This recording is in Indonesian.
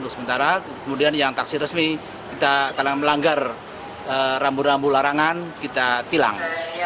sementara kemudian yang taksi resmi kita karena melanggar rambu rambu larangan kita tilang